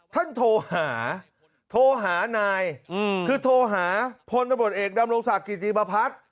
ท่านโทหาโทหานายคือโทหาพลประบวนเอกดำรุงศักดิ์กิจีบภัคดิ์